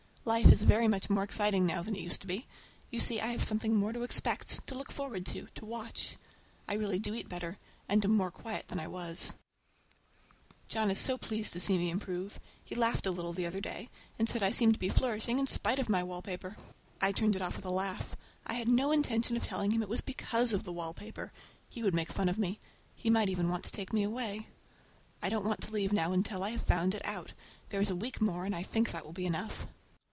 Life is very much more exciting now than it used to be. You see I have something more to expect, to look forward to, to watch. I really do eat better, and am more quiet than I was. John is so pleased to see me improve! He laughed a little the other day, and said I seemed to be flourishing in spite of my wallpaper. I turned it off with a laugh. I had no intention of telling him it was because of the wallpaper—he would make fun of me. He might even want to take me away. I don't want to leave now until I have found it out. There is a week more, and I think that will be enough.